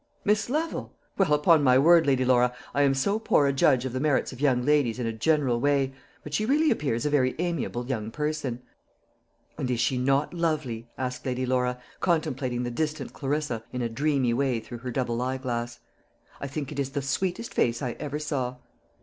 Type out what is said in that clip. "Miss Lovel! Well, upon my word, Lady Laura, I am so poor a judge of the merits of young ladies in a general way; but she really appears a very amiable young person." "And is she not lovely?" asked Lady Laura, contemplating the distant Clarissa in a dreamy way through her double eye glass. "I think it is the sweetest face I ever saw."